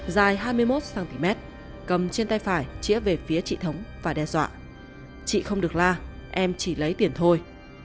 dài hai mươi một cm cầm trên tay phải chĩa về phía chị thống và đe dọa chị không được la em chỉ lấy tiền thôi